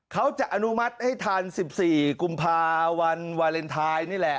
เขาจะอนุมัติให้ทัน๑๔กุมภาวันวาเลนไทยนี่แหละ